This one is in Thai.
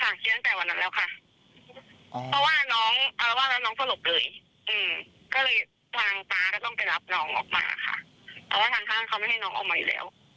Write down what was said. เคลียร์ตั้งแต่วันนั้นแล้วค่ะอ๋อเพราะว่าน้องเอาละว่าแล้วน้องสลบเลย